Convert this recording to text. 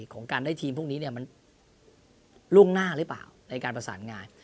ของการได้ทีมพวกนี้มันล่วงหน้าหรือเปล่าในการประสานงาน